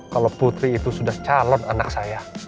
kalau putri itu sudah calon anak saya